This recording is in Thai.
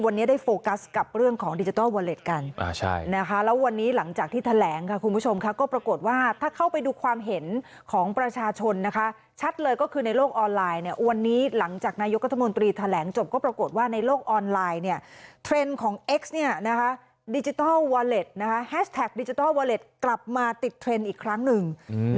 ในโลกออนไลน์เทรนด์ของเอ็กซดิจิทัลวอเล็ตกลับมาติดเทรนด์อีกครั้งหนึ่ง